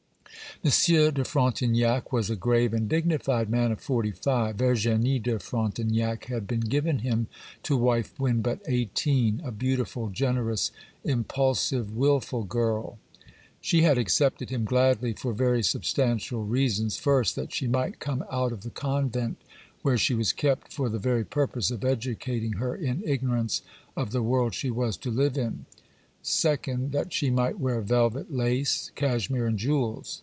Monsieur de Frontignac was a grave and dignified man of forty five. Virginie de Frontignac had been given him to wife when but eighteen; a beautiful, generous, impulsive, wilful girl. She had accepted him gladly for very substantial reasons. First, that she might come out of the convent where she was kept for the very purpose of educating her in ignorance of the world she was to live in. Second, that she might wear velvet, lace, cashmere, and jewels.